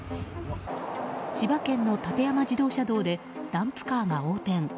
千葉県の館山自動車道でダンプカーが横転。